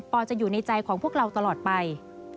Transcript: จะอยู่ในใจของพวกเราตลอดไป